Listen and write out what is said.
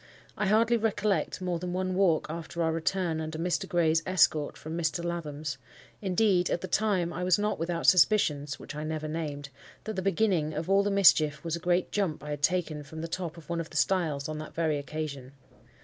I hardly recollect more than one walk after our return under Mr. Gray's escort from Mr. Lathom's. Indeed, at the time, I was not without suspicions (which I never named) that the beginning of all the mischief was a great jump I had taken from the top of one of the stiles on that very occasion.